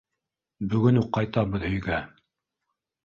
Бөгөн үк ҡайтабыҙ өйгә.